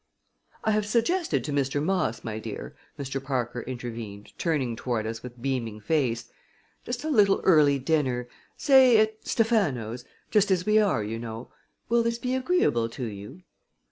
"I have suggested to Mr. Moss, my dear," Mr. Parker intervened, turning toward us with beaming face, "just a little early dinner say, at Stephano's just as we are, you know. Will this be agreeable to you?"